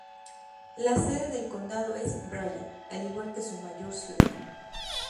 La sede del condado es Bryan, al igual que su mayor ciudad.